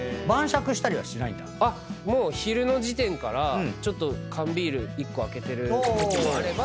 もう昼の時点からちょっと缶ビール１個あけてるときもあれば。